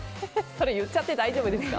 それ言っちゃって大丈夫ですか？